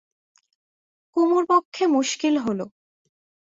কুমুর পক্ষে মুশকিল হল।